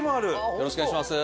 よろしくお願いします。